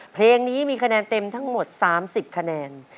เพลงนี้มีคะแนนเต็มทั้งหมด๓๐คะแนน